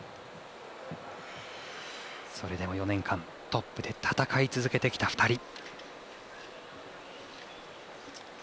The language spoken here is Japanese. それでも４年間トップで戦い続けてきた２人。